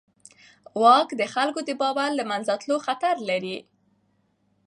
واک د خلکو د باور له منځه تلو خطر لري.